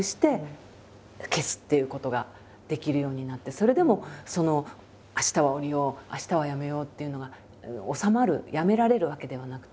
それでも明日は下りよう明日はやめようっていうのが収まるやめられるわけではなくて。